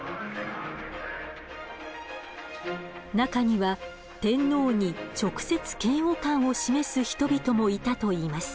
中には天皇に直接嫌悪感を示す人々もいたといいます。